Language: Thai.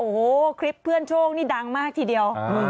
โอ้โหคลิปเพื่อนโชคนี่ดังมากทีเดียว